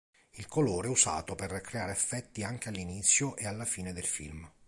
Il colore è usato per creare effetti anche all'inizio e alla fine del film.